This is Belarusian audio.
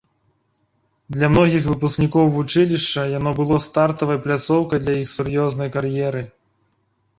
Для многіх выпускнікоў вучылішча яно было стартавай пляцоўкай для іх сур'ёзнай кар'еры.